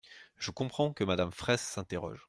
Je comprends que Madame Fraysse s’interroge.